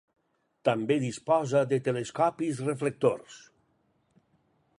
També disposa de telescopis reflectors.